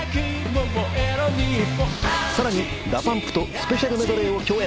さらにＤＡＰＵＭＰとスペシャルメドレーを共演。